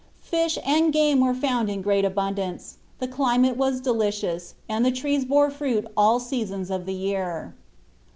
Fish and game were found in great abundance; the climate was delicious, and the trees bore fruit at all seasons of the year."